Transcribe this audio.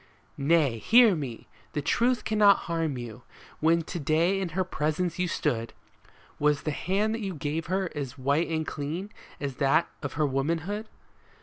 Nay, hear me ! The truth cannot harm you. When to day in her presence you stood. Was the hand that you gave her as white and clean as that of her womanhood